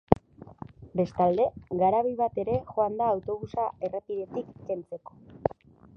Bestalde, garabi bat ere joan da autobusa errepidetik kentzeko.